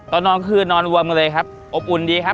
ตอนนอนคือนอนรวมกันเลยครับอบอุ่นดีครับ